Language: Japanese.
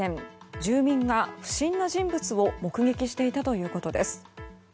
住民が不審な人物を目撃していたということです。